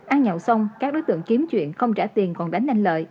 ăn nhậu xong các đối tượng kiếm chuyện không trả tiền còn đánh anh lợi